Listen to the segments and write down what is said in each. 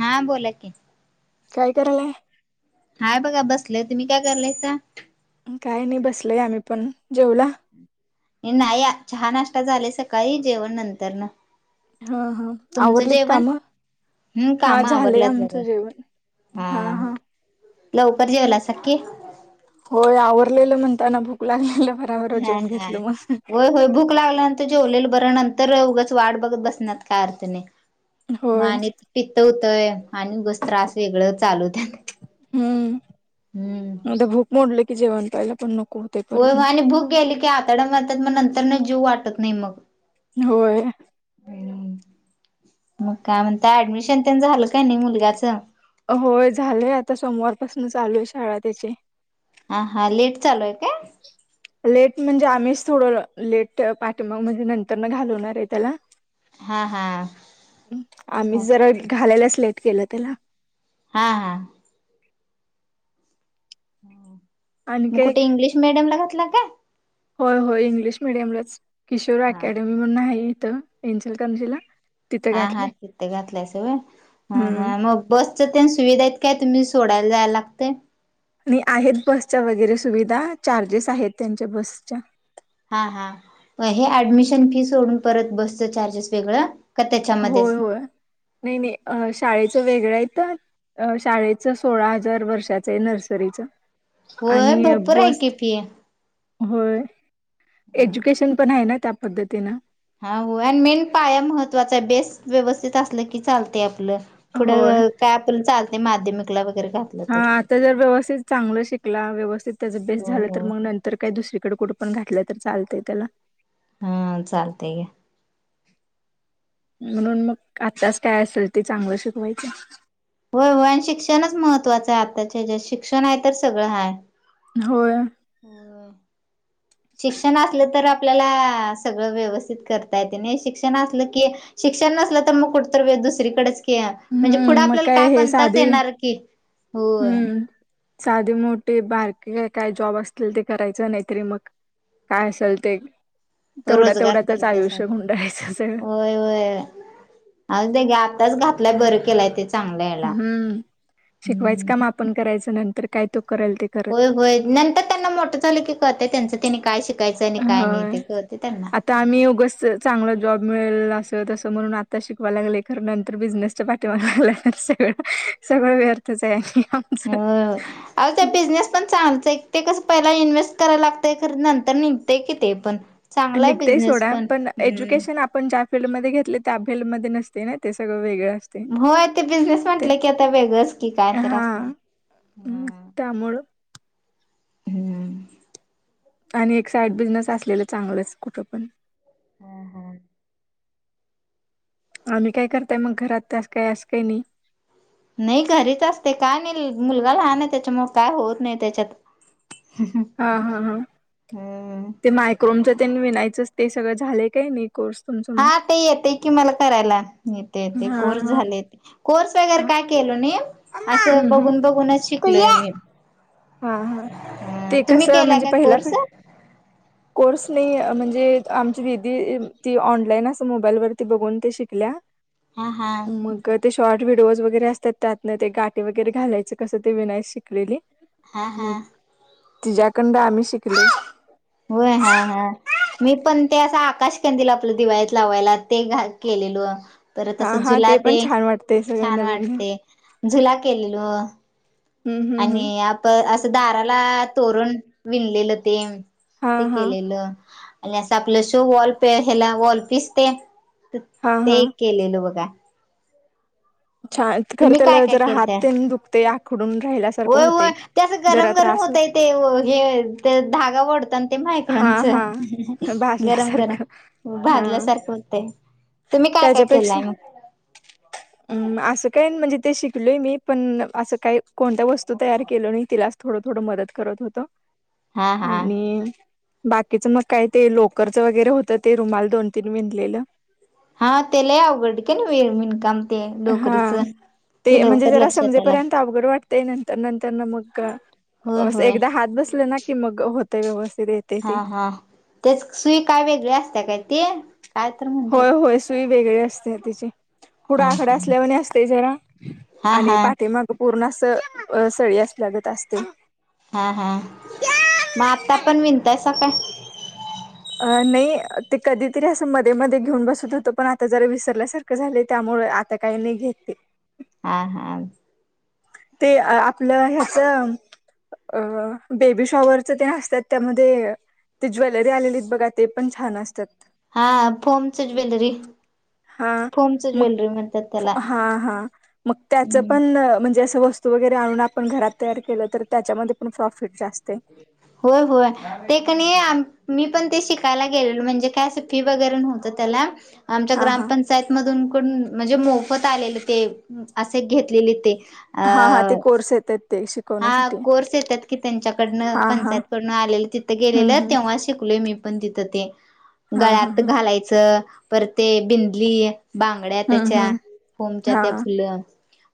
हा बोला की, काय करालाय? हाय बघा बसलेय तुम्ही काय करलायसा काय नाही बसलोय आम्ही पण जेवला नाही चहा नाश्ता झाले सकाळी जेवण नंतर न हा हा तुमचं आवरलीत जेवण कामं हम्म हा काम झालंय आवरल्यात बघा आमचं जेवण हा हा लवकर जेवलासाखी होय आवरलेलं म्हणताना भूक लागलेलं. बराबर हा जेवून हा घेतलं मग. व्हय व्हय भूक लागल जेवलेल बरं नंतर उगच वाट बघत बसणार काय अर्थ नाही मग होय आणि पित्त व्हतय आणि उगच त्रास वेगळं चालू होतय हम्म आता भूक मोडलं की जेवण पाहिला पण नको होय परत मग. आणि भूक गेली की आताड्या मारतात मग नंतर न जीव वाटत नाही मग होय. मग काय म्हणता? ऍडमिशन त्यां झालं काय नाही मुलग्याच होय झालंय आता सोमवारपासून चालू आहे शाळा त्याची हा हा लेट चालूय काय? लेट म्हणजे आम्हीच थोडं लेट पाठीमागण म्हणजे नंतर न घालवणार आहे त्याला. हा हा आम्ही जरा घालायला लेट केलं त्याला हा हा आणि मग काय कुठे इंग्लिश मिीडियम ला घातला का? होय होय इंग्लिश मिीडियमलाच किशोर हा अकॅडमी म्हणून आहे इथं इचलकरंजीला तिथं हा हा घातले तिथ घातलाय होय हा हम्म हा मग. बसच त्या सुविधा आहेत काय? तुम्ही सोडायला जायला लागततय. आणि आहेत बसच्या वगैरे सुविधा चार्जेस आहेत त्यांच्या बसच्या हा हा हे ऍडमिशन फी सोडून परत बसचं चार्जेस वेगळं. का त्याच्यामध्येच? होय होय नाही नाही शाळेचं वेगळं आहे तर अ शाळेचं सोळा हजार वर्षाचं आहे नर्सरीचं होय आणि भरपूर आहे बस की फी. होय एज्युकेशन पण आहे ना त्या पद्धतीनं हा हो आणि मेन पाया महत्त्वाचा आहे बेस व्यवस्थित असला की चालते आपलं होय पुढं काय आपर्यंत चालते माध्यमिकला वगैरे का हा आता जर व्यवस्थित चांगलं शिकला व्यवस्थित त्याचं बेस्ट हो झालं तर हो मग नंतर तर काही दुसरीकडे कठे पण घातलंय तर चालतंय त्याला हा चालतय ग. म्हणून मग आत्ताच काय असेल ते चांगलं शिकवायच. होय होय शिक्षणच महत्त्वाचं आहे आताचे ज शिक्षण आहे तर सगळं हा. होय. हो [inaudible] शिक्षण असलं तर आपल्याला सगळं व्यवस्थित करता येते नाही शिक्षण असलं की शिक्षण नसलं तर मग कठतर दुसरीकडेच म्हणजे पुढं हम्म मग आपल्याला काय हे बनताच साधे येणार की होय हम्म साधे मोठे बारके काय जॉब असतील ते करायचं नाहीतरी मग काय असेल ते तेवढ्या रोजगार तेवढ्यातच आयुष्य करतासाठी गुंडाळायच सगळं होय होय ते आताच घातलाय बरं केलाय त्याच हम्म शिकवायचं काम आपण करायचं नंतर काय तो करेल ते करत होय होय नंतर त्यांना मोठं झालं की कळतय त्यांचं त्यांनी काय शिकायचं आणि काय नाही ते कळते त्यांना आ आम्ही योगं चांगलं जॉब मिळेल असं तसं म्हणून आता शिकवाय लागले खरं नंतर बिझनेस पाठी मारला सगळ सगळ व्यर्थ आणि आमचं होय अ त्या बिझनेस पण चांगलत ते कसं पहिला इन्व्हेस्ट करायला लागतंय खर नंतर निघतय कि ते पण चांगला आहे निघते बिझनेस सोडा पण एज्युकेशन आप हम्म आपण ज्या फीलल्डमध्येध्ये घेतले त्या फिल्डमध्येध्ये नसते ना ते सगळं वेगळं असतं हो ते बिझनेस म्हटलं की आता वेगंच की काय तर असणार हम्म त्यामुळे हम्म. आणि एक साईड बिझनेस असलेलं चांगलंच कुठं पण हा हा आणि काय करताय मग घरात त्यास काही असं काही नाही नाही घरीच असते काय नाही मुलगा लहान आहे त्याच्यामुळे काय होत नाही त्याच्यात हा हा हा हम्म ते मायक्रोमच्या त्यांनी विनायचंच ते सगळं झाले काही नाही. कोर्स तुमचा हा ते येते कि मला करायला ते येते हा कोर्स हा झाले कोर्स वगैरे हा काय केलो न हम्म असं हम्म. बघून बघूनच शिकलोय मी हा हा ते तुम्ही कसं केलाय म्हणजे का पहिला प कोर्स? हा कोर्स नाही म्हणजे आमची दिदी ती ऑनलाईन असं मोबाईलवरती बघून ते शिकल्या हा मग ते शॉर्ट व्हिडिओज वगैरे असतात त्यातं ते गाटे वगैरे घालायचं कसं ते विनायच शिकलेली हा मग हा. तिच्यायाकंड आम्ही शिकल होय हा हा मी पण ते असं आकाश कदिलं आपलं दिवाळीत लावायला ते घाल केलेलो परत हा असं हा जुला पण ते छान वाटतंय सगळं छान नवीन वाटते झुला केलेलो हम्म हम्म हम्म आणि आपण असं दाराला तोरण विणलेलं ते हा ते हा केलेलं आणि असं आपलं शो वॉल प ह्याला वॉलपीस ते हा हा ते एक केलेल बघा छान खर तुम्ही काय त्याला काय जरा हात केलत ते दुख ते आखडून राहिल्यासारखं होय होते होय ते असं जरा गरम गरम त्रास होते होतय ते हे ते धागा वोढताना आणि ते माह हा कंच हा गरम भाजल्यासारखं गरम हा भाजल्यासारखं होतय तुम्ही काय काय त्याच्यापेक्षा केलाय मग म असं काय म्हणजे ते शिकलोय मी पण असं काही कोणत्या वस्तू तयार केलो नाही तिला थोडं थोडं मदत करत होत हा हा आणि बाकीचं मग काय ते लोकरचं वगैरे होतं ते रुमाल दोन तीन विंणलेलं हा ते लय अवघड विणकाम ते हा डोकरीचं ते म्हणजे लवकर जरा लक्षात यायला समजेपर्यंत अवघड वाटतंय नंतर नंतर ना मग होय अस होय एकदा हात बसले ना की मग होते व्यवस्थित येत हा हा तेच सुई काय वेगळी असते काय ते काय तर म्हणतात होय होय सुई वेगळी असते तिची पुढं हा आकडा असल्यावर असते जरा हा आणि हा पाठीेमाग पूर्ण अस सळी असल्या गत असते. हा हा मग आता पण विनताय स का अ नाही ते कधीतरी असं मध्ये मध्ये घेऊन बसत होतो पण आता जरा विसरल्यासारखं झाले त्यामुळे आता काही नाही घेत ते. हा हा ते आपलं ह्याच अ बेबी शॉवरच ते असतात त्यामध्ये ते ज्वेलरी आलेलीत बघा ते पण छान असतात. हा फोमच ज्वेलरी. हा फोमच्या मग ज्वेलरी म्हणताला हा हम् जसं वस्तू वगैरे आणून आपण घरात तयार केलं तर त्याच्यामध्ये पण प्रॉफिट जास्त आहे. होय होय ते कण मी पण ते शिकायला गेलेल म्हणजे काय अस ी वरे्हत त्या आमच्या हा हा ग्रामं [inaudible] मध म्हणजे मोफत आलेले ते असे घेतलेले ते हा हा अ ते कोर्स येते. हा कोर्स येतात की त्यांच्याकडनं हा हा पंचायतकडनं आलेलं तिथं हम्म गेलेलं हम्म तेव्हा शिकलोय मी. ण ते हा हा गळ्यात हा घालायच परते बिंदली ब बड्या हम्म त्याच्या हम्म फमच्या हा त्या फुलं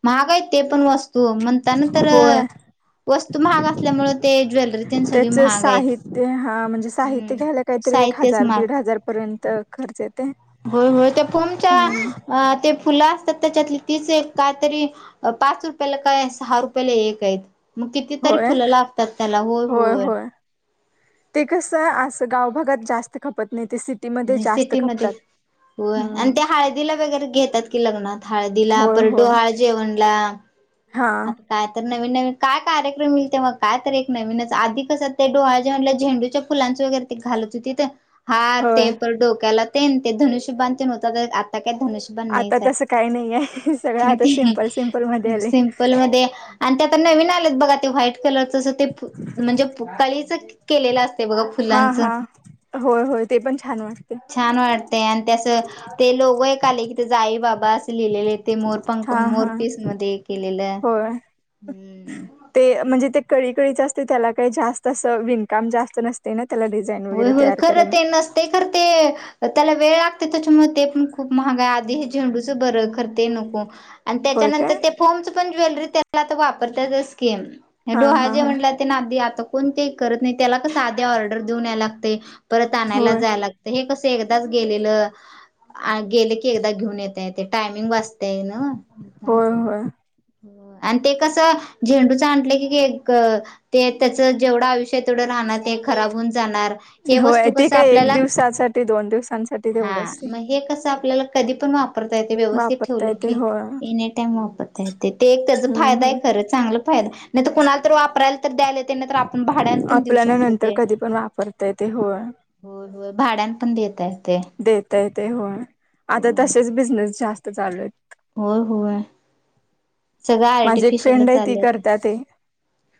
महागाय ते पण वस्त तो म्हणता ना तर होय वस्तू महाग असल्यामुळे ते ज्वेलरी सगळे महाग आहेत. ते हा म्हणजे साहित्य हम्म घ्यायला काहीतरी एक साहित्यच हजार महाग दीड हजार पर्यंत खर्च येते. होय होय त्या हम्म फोमच्या ते फुलं असतात त्याच्यातली तीच काय तरी पाच रुपयाला काय सहा रुपयाला एक आहेत. मग कितीतरी होय फुलं लागतात त्याला होय होय. ते कसं अस गावभगात जास्त खपत नाही ते सिटीमध्ये आणि जास्त सिटीमध्ये खपतात. होय आणि हम्म ते हळदीला वगैरे घेतात की लग्नात हळदीला परडू हळदी जेवनला हां काय तर नवीन नवीन काय कार्यक्रम मिलते मग काय तर एक नवीनच आधी कसं ते डोळ्याचे म्हटलं झेंडूच्या फुलांच वगरे घालत होतीथ. हा होय. ते पण डोक्याला ते ते धनुष्य बांध होता आता काय धनुष्य आता तसं काही नाही आहे सगळं आता सिम्पल सिम्पल मध्ये आले. नले ब व्हाईट कलर. ते म्हणजे कळीच केलेलं असते बघा फुलांचं हो हो ते पण छान वाटते. छान वाटतेय आणि त्यासं ते लोगो एक आले की ते जाई बाबा असं लिहिलेले. ते मोरपंक हा हा मोरपीस मध्ये केलेलं होय. हम्म. ते म्हणजे ते कळीकळीच असते त्याला काही जास्त असं विणकाम जास्त नसते ना त्याला. होय वर त होय खरं ते नसते खरं ते त्याला वेळ लागते त्याच्यामुळे ते पण खूप महाग आहे आधी हे झेंडूच बर करते नको. आणि होय त्याच्यानंतर काय ते फोर्मच पण ज्वेलरी त्याला आ वापरताच स्किम हा डोहाळे हा हा जेवायला म्हणला. नाधी आता कोण ते करत नाही त्याला क साधी ऑर्डर देऊन या लागते परत आणायला होय जाय लागते. तर हे कसं एकदाच गेलेलं गेले की एकदा घेऊन येतय ते टायमिंग वाजतय ना, होय होय. आणि ते कसं झेंडूचं आणलं की ते त्याच जेवढं आयुष्य. ते राहणार ते खराब होऊन जाणार हे होय वस्तू ते कस काय एक आपल्याला, दिवसासाठी दोन दिवसांसाठी हा तेवढंच ते मग हे कसं आपल्याला कधी पण वापरता येते व्यवस्थित वापरता ठेवले की येते होय एनी टाइम वापरता येत. ते एक त्याचा हम्म फायदा हम्म. आहे खरं चांगला फायदा नाहीर कुणाला तर वापरायला तर द्यायला ते नाही तर आपण भाड्या आपल्याला नंतर कधी पण वापरतय ते होय. हो हो भाड्यां पण देतय ते देत येत होय आता तसेच बिझनेस जास्त चालू आहेत. हो हो आहे. माझी एक फ्रेंड आहे ती आले आता करता ते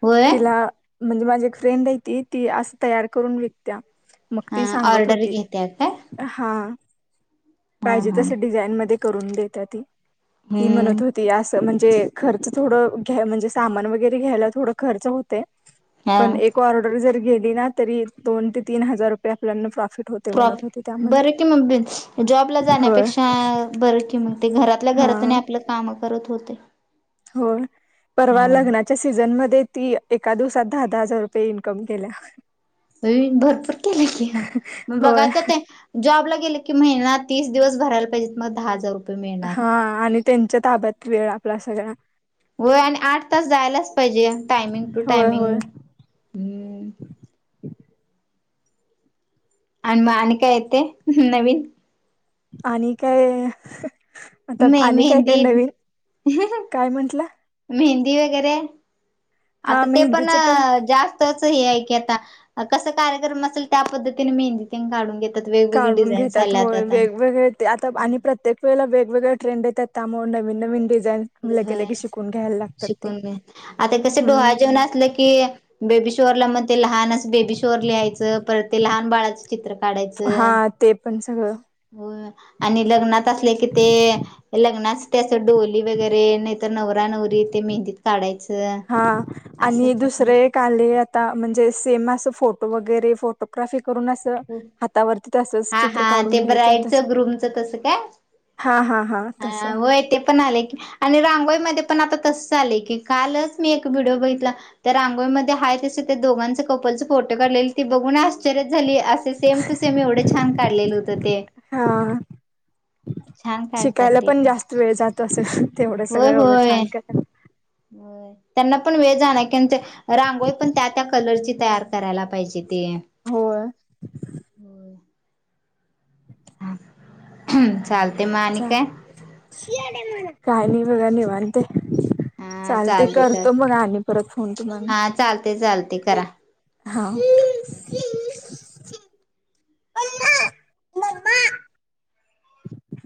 होय तिला म्हणजे माझी एक फ्रेंड आहे ती ती असं तयार करून विकत्या. मग हा ती सांगत ऑर्डर होती. घेत्या काय हा हा पाहिजे हा तस डिझाईन मध्ये करून देत ती ती हम्म म्हणत होती असं म्हणजे खर्च थोडं घ्या म्हणजे सामान वगैरे घ्यायला थोड खर्च होते हा पण एक ऑर्डर जर गेली ना तरी दोन ते तीन हजार रुपये आपल्याना प्रॉफिट होते म्हणत प्रॉप होते. बरं त्यामध्ये की मग ब जॉबला होय जाण्यापेक्षा बर की मग ते घरातल्या घरात हा नाही आपलं. काम करत होते. हो परवा हा. लग्ना च्या सीझनमध्येध्ये ती एका दिवसात दहा दहा हजार रुपये इन्कम केल्या. भरपूर केले कि मग होय बघाता ते जॉबला गेले की महिना तीस दिवस भरायला पाहिजेते मग दहा हजार रुपये मिळणार. हा आणि त्यांच्या ताब्यात वेळ आपला सगळा होय आणि आठ तास जायलाच पाहिजे टायमिंग टू होय होय टायमिंग हम्म आणि मग आणि काय येते नवीन आणि काय आता मे आणि काय काय मेहंदी नवीन काय म्हंटलं. मेहंदी वगैरे हा आता ते पण मेहंदीचं जास्त की आता क कार्यक्रम असेल त्या पद्धतीने मेहंदी काून घ काढून घेतात होय वेगवेगळे ते आता आणि प्रत्येक वळेला वेगवेगळ्या ट्रेडेतात त्यामुळे नवीन नवीन डिझाईन लगे य लगे शिकून घ्यायला लागतात ते शिकून घ आता कस हम्म डोहा्या जेवण असले. कि बेबी शोअरला मग ते लहान असं बेबी शोर लिहायचं परत ते लहान बाळाच चित्र काढाय. हा ते पण सगळं. हो आणि लग्नात असले की ते लग्नास त्याच डोली वगैरे नाही. तर नवरा नवरी ते मेहंदीत काढायचं असं. चाले आता म्हणजे सेम अस फोटो वगैरे फोटोग्राफी करून हातावरती तसच हा चित्र हा काढून ते घ्यायचं तस. ब्राईडचं ग्रूमचं हा हा हा. ह तसं हो य ते पण आले की आणि रांगोळीमध्ये पण आता तस झालंय की कालच मी एक व्हिडिओ बघितला. तर रांगोळीमध्येध्ये आहेा तस ते दोघांच कपलचे फोटो काढलेले ती बघून आश्चर्य झाली. सेम टू सेम एवढं छान काढलेलं होत ते हा छान काढ. शिकायला पण जास्त वेळ जातो असेल तेवढं सगं होय एवढं होय छान करा. त्यांना पण वेळ जाणार क रांगोळी पण त्या त्या कलरची तयार करायला पाहिजे ते होय. ह चालते म आणि काय? काणी बघा नाही मानते. हा चाल ते चालते करत चाल मग आ परत फोन तुम्हाला हा चालते चालते करा हा.